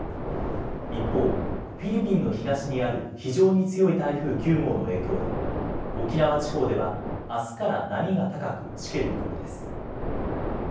一方、フィリピンの東にある非常に強い台風９号の影響で沖縄地方ではあすから波が高くしける見込みです。